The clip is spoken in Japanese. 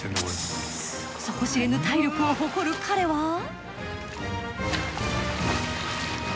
底知れぬ体力を誇る彼は。